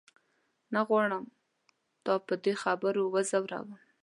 نه غواړم تا په دې خبرو وځوروم.